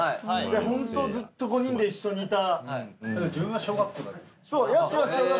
ホントずっと５人で一緒にいた。